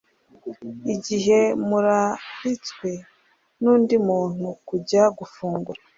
Igihe muraritswe nundi muntu kujya gufungura